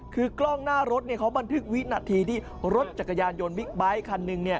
คือกล้องหน้ารถเขาบันทึกวินาทีที่รถจักรยานยนต์บิ๊กไบท์คันหนึ่ง